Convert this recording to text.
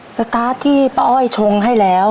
สตาร์ทที่ป้าอ้อยชงให้แล้ว